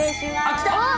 あっ来た！